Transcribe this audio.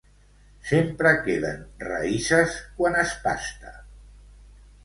Sempre queden raïsses quan es pasta.